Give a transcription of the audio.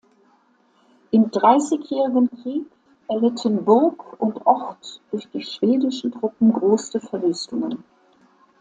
Im Dreißigjährigen Krieg erlitten Burg und Ort durch die schwedischen Truppen große Verwüstungen.